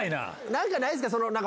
何かないんすか？